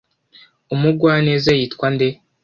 umugwaneza yitwa nde